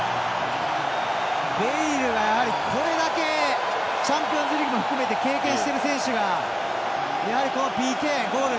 ベイルがこれだけチャンピオンズリーグ含めて経験している選手がこのＰＫ、ゴール